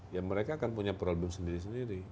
ya mereka akan punya produk sendiri sendiri